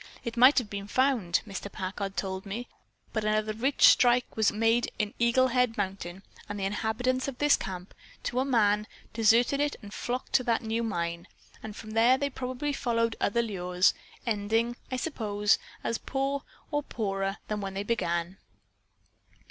It might have been found, Mr. Packard told me, but another rich strike was made on Eagle Head Mountain and the inhabitants of this camp, to a man, deserted it and flocked to that new mine, and from there they probably followed other lures, ending, I suppose, as poor, or poorer, than when they began."